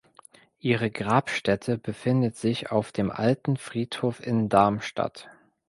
Ihre Grabstätte befindet sich auf dem Alten Friedhof in Darmstadt.